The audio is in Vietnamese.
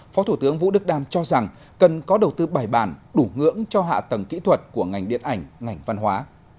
phó thủ tướng vũ đức đam cho rằng cần có đầu tư bài bản đủ ngưỡng cho hạ tầng kỹ thuật của ngành điện ảnh ngành văn hóa